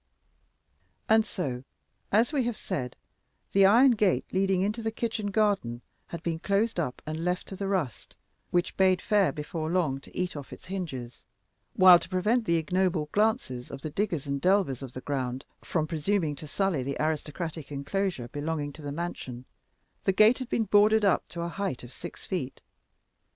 And so, as we have said, the iron gate leading into the kitchen garden had been closed up and left to the rust, which bade fair before long to eat off its hinges, while to prevent the ignoble glances of the diggers and delvers of the ground from presuming to sully the aristocratic enclosure belonging to the mansion, the gate had been boarded up to a height of six feet.